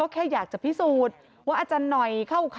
แต่อาจันหน่อย